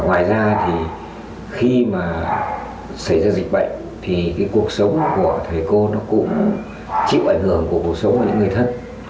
ngoài ra thì khi mà xảy ra dịch bệnh thì cái cuộc sống của thầy cô nó cũng chịu ảnh hưởng của cuộc sống của những người thân